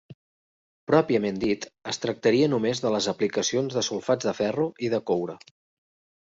Pròpiament dit es tractaria només de les aplicacions de sulfats de ferro i de coure.